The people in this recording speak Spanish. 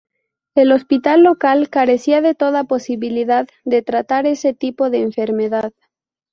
El hospital local carecía de toda posibilidad de tratar ese tipo de enfermedad.